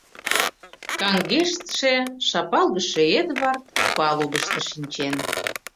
Каҥгештше, шапалгыше Эдвард палубышто шинчен.